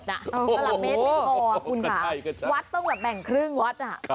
หลักเมตรไม่พอคุณค่ะวัดต้องแบบแบ่งครึ่งวัด